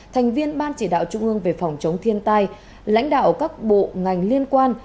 thành viên ban chỉ đạo trung ương về phòng chống thiên tai lãnh đạo các bộ ngành liên quan